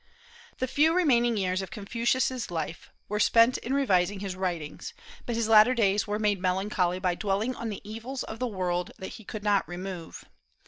The few remaining years of Confucius' life were spent in revising his writings; but his latter days were made melancholy by dwelling on the evils of the world that he could not remove.